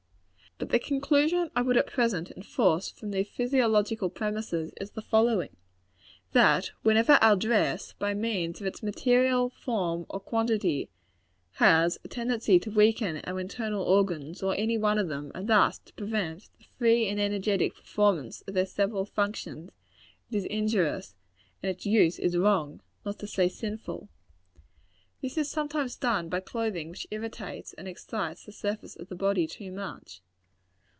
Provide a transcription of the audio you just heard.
But the conclusion. I would at present enforce from these physiological premises, is the following: That whenever our dress, by means of its material, form or quantity, has a tendency to weaken our internal organs, or any one of them, and thus to prevent the free and energetic performance of their several functions, it is injurious, and its use is wrong, not to say sinful. This is sometimes done by clothing which irritates and excites the surface of the body too much.